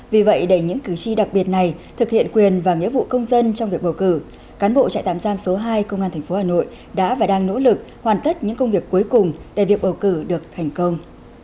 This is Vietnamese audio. vì vậy để những cử tri đặc biệt này thực hiện quyền và nghĩa vụ công dân trong việc bầu cử cán bộ trại tạm giam số hai công an tp hà nội đã và đang nỗ lực hoàn tất những công việc cuối cùng để việc bầu cử được thành công